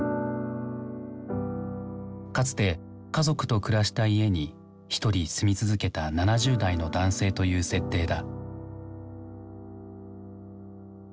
かつて家族と暮らした家にひとり住み続けた７０代の男性という設定だ。